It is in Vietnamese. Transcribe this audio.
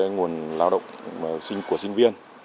nguồn lao động của sinh viên